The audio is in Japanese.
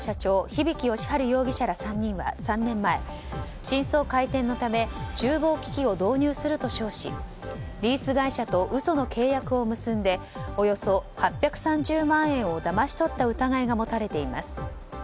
日疋好春容疑者ら３人は３年前、新装開店のため厨房機器を導入すると称しリース会社と嘘の契約を結んでおよそ８３０万円をだまし取った疑いが持たれています。